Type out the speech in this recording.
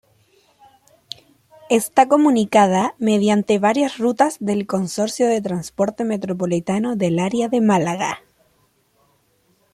Está comunicada mediante varias rutas del Consorcio de Transporte Metropolitano del Área de Málaga.